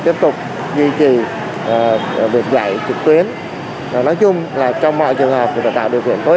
tiếp tục duy trì việc dạy trực tuyến nói chung là trong mọi trường hợp thì phải tạo điều kiện tốt